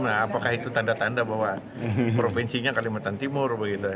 nah apakah itu tanda tanda bahwa provinsinya kalimantan timur begitu